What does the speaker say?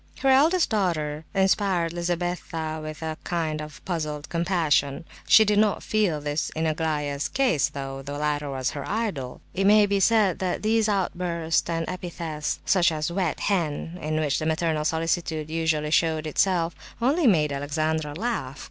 Her eldest daughter inspired Lizabetha with a kind of puzzled compassion. She did not feel this in Aglaya's case, though the latter was her idol. It may be said that these outbursts and epithets, such as "wet hen" (in which the maternal solicitude usually showed itself), only made Alexandra laugh.